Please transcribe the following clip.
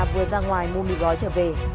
vừa ra ngoài mua mì gói trở về